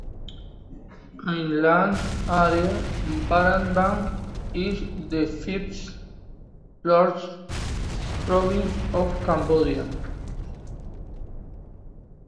In land area, Battambang is the fifth largest province of Cambodia.